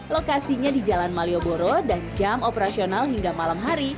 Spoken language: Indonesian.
lokasinya di jalan malioboro dan jam operasional hingga malam hari